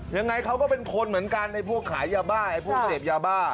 ยังไงเขาก็เป็นคนเหมือนกันไอ้พวกขายยาบ้าไอ้พวกเสพยาบ้า